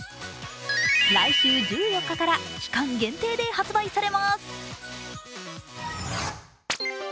来週１４日から期間限定で発売されます。